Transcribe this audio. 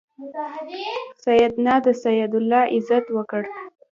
سیندیا د سعد الله عزت وکړ.